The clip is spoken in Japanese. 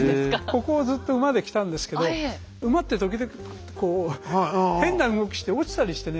ここをずっと馬で来たんですけど馬って時々こう変な動きして落ちたりしてね。